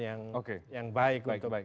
yang baik untuk